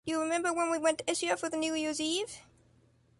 Do you remember when we went to Ischia for the New Year’s Eve?